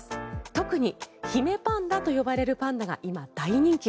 特に姫パンダと呼ばれるパンダが今、大人気。